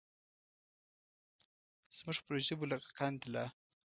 زموږ پر ژبو لکه قند لا